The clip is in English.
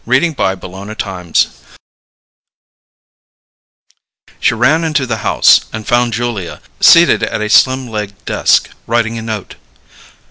CHAPTER FOURTEEN She ran into the house, and found Julia seated at a slim legged desk, writing a note.